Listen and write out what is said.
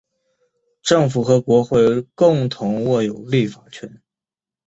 政府和国会共同握有立法权。